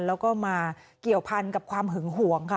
แล้วก็มาเกี่ยวพันกับความหึงหวงค่ะ